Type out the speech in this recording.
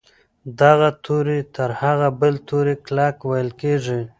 دغه توری تر هغه بل توري کلک ویل کیږي.